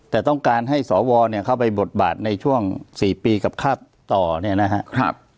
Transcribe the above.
แต่ต้องการให้สวเนี่ยเข้าไปบทบาทในช่วง๔ปีกับคาบต่อเนี่ยนะครับ